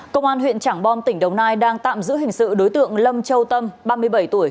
công an huyện trảng bom tỉnh đồng nai đang tạm giữ hình sự đối tượng lâm châu tâm ba mươi bảy tuổi